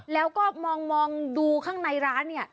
แล้วก็มองดูข้างในร้านเนี่ย